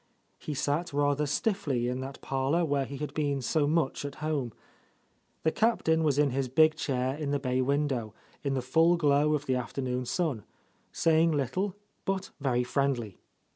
He sat rather stiffly in that parlour where he had been so much at home. The Captain was in his big chair in the bay window, in the full glow of the afternoon sun, saying little, but very friendly.